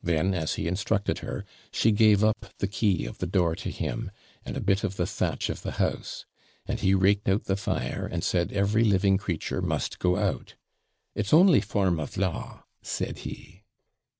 Then, as he instructed her, she gave up the key of the door to him, and a bit of the thatch of the house; and he raked out the fire, and said every living creature must go out. 'It's only form of law,' said he.